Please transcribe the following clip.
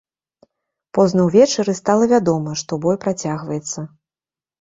Позна ўвечары стала вядома, што бой працягваецца.